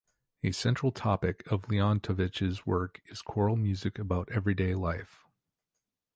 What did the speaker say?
A central topic of Leontovych's work is choral music about everyday life.